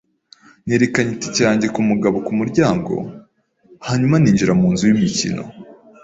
Nerekanye itike yanjye ku mugabo ku muryango, hanyuma ninjira mu nzu y'imikino.